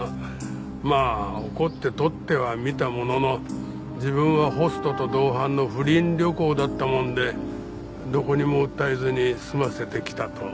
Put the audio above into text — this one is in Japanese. まあ怒って撮ってはみたものの自分はホストと同伴の不倫旅行だったもんでどこにも訴えずに済ませてきたと。